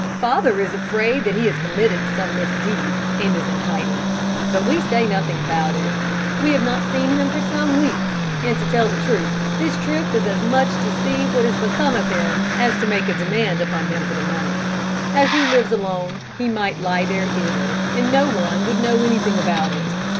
"Father is afraid that he has committed some misdeed, and is in hiding; but we say nothing about it. We have not seen him for some weeks, and to tell the truth, this trip is as much to see what has become of him, as to make a demand upon him for the money. As he lives alone, he might lie there ill, and no one would know anything about it.